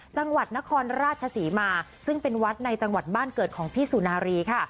จังหวัดนครราชศรีมาซึ่งเป็นวัดในจังหวัดบ้านเกิดของพี่สุนารีค่ะ